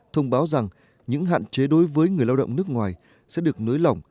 thông báo rằng những hạn chế đối với người lao động nước ngoài sẽ được nới lỏng